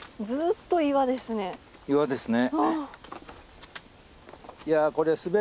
岩ですね。